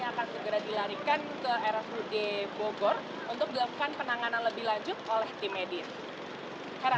akan segera dilarikan ke rfu di bogor untuk dilakukan penanganan lebih lanjut oleh tim edin